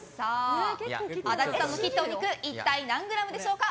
足立さんの切ったお肉一体何グラムでしょうか。